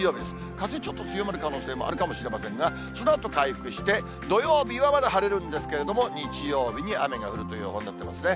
風、ちょっと強まる可能性もあるかもしれませんが、そのあと回復して、土曜日はまだ晴れるんですけど、日曜日に雨が降るという予報になってますね。